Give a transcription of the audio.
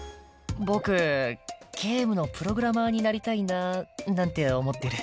僕、ゲームのプログラマーになりたいななんて思ってる。